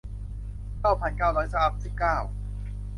เก้าพันเก้าร้อยสามสิบเก้า